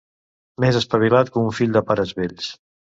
Més espavilat que un fill de pares vells.